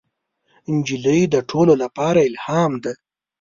نجلۍ د ټولو لپاره الهام ده.